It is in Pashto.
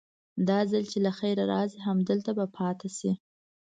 دا ځل چې له خيره راسي همدلته به پاته سي.